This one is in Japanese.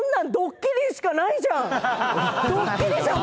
ドッキリじゃん